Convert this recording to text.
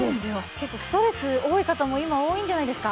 結構ストレス多い方も今多いんじゃないですか？